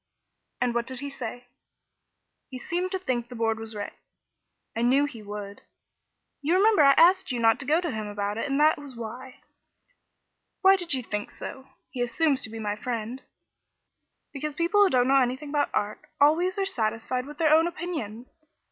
"And what did he say?" "He seemed to think the Board was right." "I knew he would. You remember I asked you not to go to him about it, and that was why." "Why did you think so? He assumes to be my friend." "Because people who don't know anything about art always are satisfied with their own opinions.